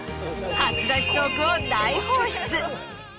初出しトークを大放出。